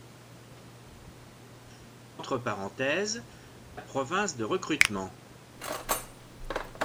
Entre parenthèse la province de recrutement.